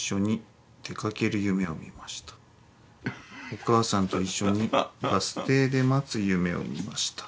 お母さんといっしょにバス停で待つ夢を見ました。